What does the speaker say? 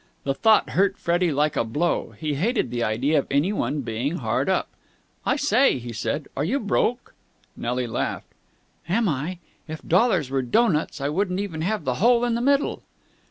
The thought hurt Freddie like a blow. He hated the idea of anyone being hard up. "I say!" he said. "Are you broke?" Nelly laughed. "Am I? If dollars were doughnuts, I wouldn't even have the hole in the middle."